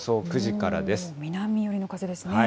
南寄りの風ですね。